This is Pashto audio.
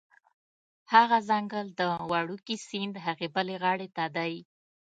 هغه ځنګل د وړوکي سیند هغې بلې غاړې ته دی